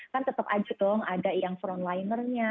kan tetap aja dong ada yang frontlinernya